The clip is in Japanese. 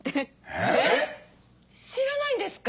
えっ⁉知らないんですか？